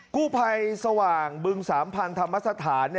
กู้ภัยสว่างบึงสามพันธรรมสถาน